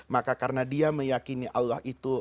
maka karena dia meyakini allah itu